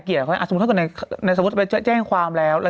ก็เลยปล่อยให้ไปเรื่องกฎหมาย